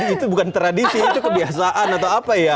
itu bukan tradisi itu kebiasaan atau apa ya